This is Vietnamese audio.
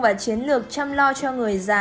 vào chiến lược chăm lo cho người già